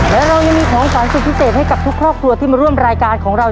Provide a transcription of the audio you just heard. และเรายังมีของขวัญสุดพิเศษให้กับทุกครอบครัวที่มาร่วมรายการของเรา